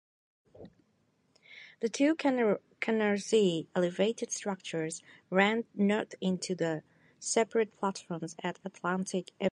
The two Canarsie elevated structures ran north into separate platforms at Atlantic Avenue.